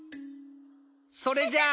それじゃあ。